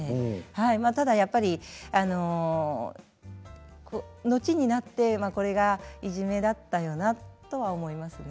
まあただやっぱり後になってまあこれがいじめだったよなとは思いますね。